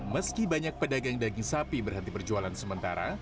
meski banyak pedagang daging sapi berhenti berjualan sementara